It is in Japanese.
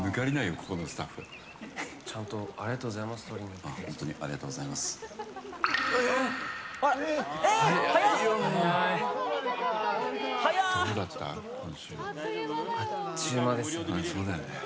そうだよね。